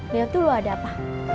liat dulu ada apa